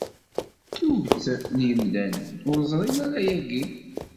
Tuget n yimdanen ur ẓrin ara ayagi.